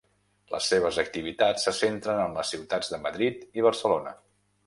Les seves activitats se centren en les ciutats de Madrid i Barcelona.